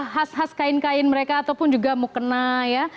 khas khas kain kain mereka ataupun juga mukena ya